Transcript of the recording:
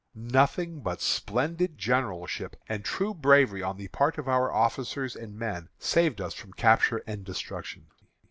Nothing but splendid generalship and true bravery on the part of our officers and men saved us from capture and destruction.